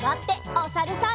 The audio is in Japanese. おさるさん。